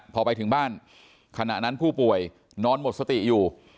พอไปถึงบ้านขณะนั้นผู้ป่วยนอนหมดสติอยู่